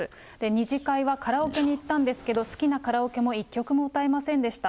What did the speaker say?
２次会はカラオケに行ったんですけど、好きなカラオケも１曲も歌えませんでした。